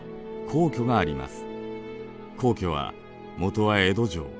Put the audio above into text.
皇居は元は江戸城。